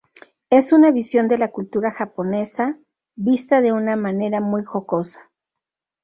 Es una visión de la cultura japonesa, vista de una manera muy jocosa.